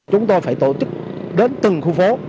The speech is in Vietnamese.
chúng tôi phải tổ chức đến từng khu phố